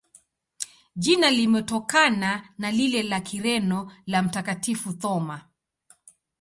Jina limetokana na lile la Kireno la Mtakatifu Thoma.